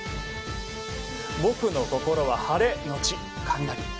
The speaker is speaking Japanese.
僕の心は晴れのち雷。